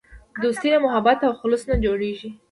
دوستي له محبت او خلوص نه جوړیږي.